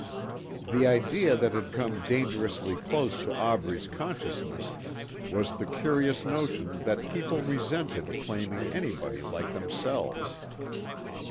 The idea that had come dangerously close to Aubrey's consciousness was the curious notion that people resented acclaiming anybody like themselves.